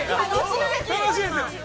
◆楽しいですよ。